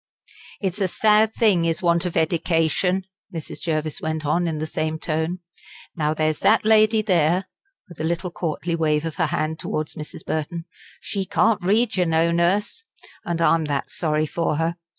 "It's a sad thing is want of edication," Mrs. Jervis went on in the same tone. "Now there's that lady there" with a little courtly wave of her hand towards Mrs. Burton "she can't read yer know, Nurse, and I'm that sorry for her!